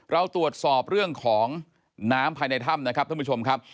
เราตรวจสอบเรื่องของน้ำภายในถ้ำนะครับท่านผู้ชมครับ